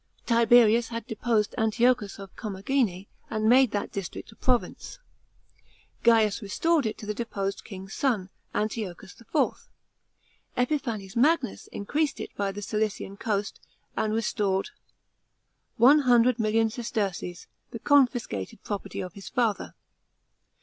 Tiberius had deposed Antiochus of Commagene, and made that district a province ; Gaius restored it to the deposed king's son, Antiochus IV. Epiphanes Magnus, increased it by the Cilician coast, and restored 100,00 ,000 sesterces, the confiscated property of his father.